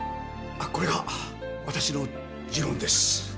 これが私の持論です。